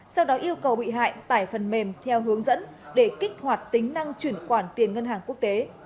sau đó yêu cầu bị hại tải phần mềm theo hướng dẫn để kích hoạt tính năng chuyển khoản tiền ngân hàng quốc tế